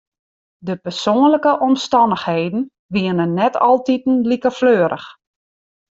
De persoanlike omstannichheden wiene net altiten like fleurich.